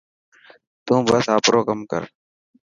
تون بس آپرو ڪم ڪر.